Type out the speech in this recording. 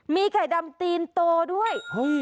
มีไข่ดำตีนโตด้วย